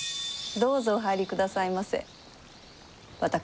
どうぞ、お入りくださいませ。